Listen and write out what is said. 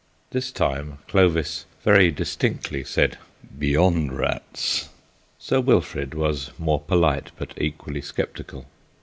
This time Clovis very distinctly said, "Beyond rats!" Sir Wilfrid was more polite, but equally sceptical.